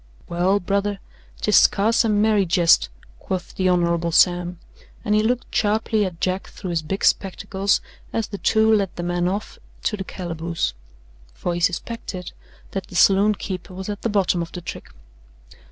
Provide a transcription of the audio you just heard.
"Well, brother, 'tis scarce a merry jest," quoth the Hon. Sam, and he looked sharply at Jack through his big spectacles as the two led the man off to the calaboose: for he suspected that the saloon keeper was at the bottom of the trick.